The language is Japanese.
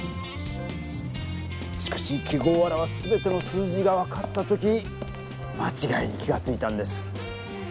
しかし記号を表すすべての数字が分かった時間ちがいに気がついたんです。